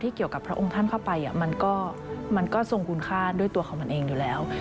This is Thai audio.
เกี่ยวกับพระองค์ท่านเข้าไปมันก็ทรงคุณค่าด้วยตัวของมันเองอยู่แล้ว